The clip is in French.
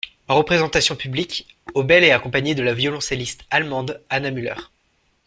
En représentation publique, Obel est accompagnée de la violoncelliste allemande Anna Müller.